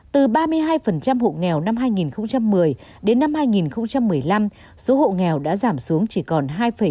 từ ba mươi hai hộ nghèo năm hai nghìn một mươi đến năm hai nghìn một mươi năm số hộ nghèo đã giảm xuống chỉ còn hai bảy mươi